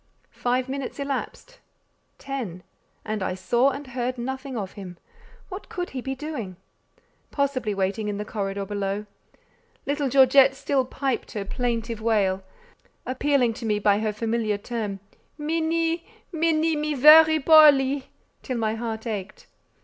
Five minutes elapsed—ten—and I saw and heard nothing of him. What could he be doing? Possibly waiting in the corridor below. Little Georgette still piped her plaintive wail, appealing to me by her familiar term, "Minnie, Minnie, me very poorly!" till my heart ached.